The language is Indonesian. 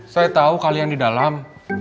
saya tahu kalian di dalam